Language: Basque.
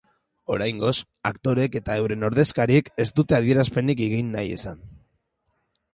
Oraingoz, aktoreek eta euren ordezkariek ez dute adierazpenik egin nahi izan.